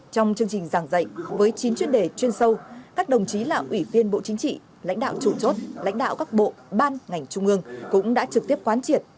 trong chương trình giảng dạy với chín chuyên đề chuyên sâu các đồng chí là ủy viên bộ chính trị lãnh đạo chủ chốt lãnh đạo các bộ ban ngành trung ương cũng đã trực tiếp quán triệt